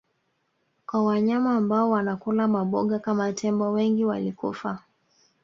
kwa wanyama ambao wanakula maboga kama tembo wengi walikufa